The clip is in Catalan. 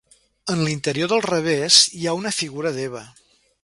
En l'interior del revers hi ha una figura d'Eva.